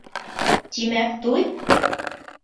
Тимәк, туй!